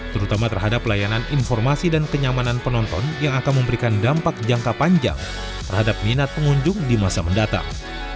terutama terhadap layanan informasi dan kenyamanan penonton yang akan memberikan dampak jangka panjang terhadap minat pengunjung di masa mendatang